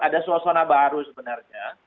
ada suasana baru sebenarnya